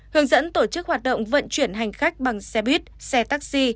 hướng dẫn tổ chức hoạt động vận chuyển hành khách bằng xe buýt xe taxi